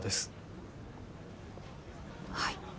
はい。